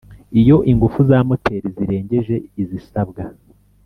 iyo ingufu za moteri zirengeje izisabwa.